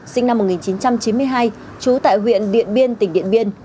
sinh năm một nghìn chín trăm chín mươi hai trú tại huyện điện biên tỉnh điện biên